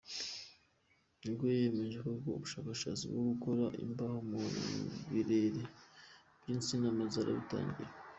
Nibwo yiyemeje gukora ubushakashatsi bwo gukora imbaho mu birere by’insina maze arabitangira.